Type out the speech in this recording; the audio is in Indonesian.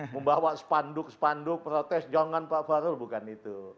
membawa spanduk spanduk protes jongan pak fahru bukan itu